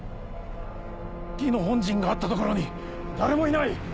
魏の本陣があった所に誰もいない！